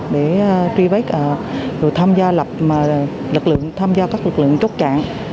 để tri vết tham gia các lực lượng chốt chạm